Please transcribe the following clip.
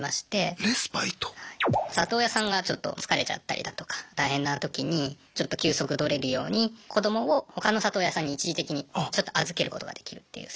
里親さんがちょっと疲れちゃったりだとか大変なときにちょっと休息取れるように子どもを他の里親さんに一時的にちょっと預けることができるっていう制度があるんですね。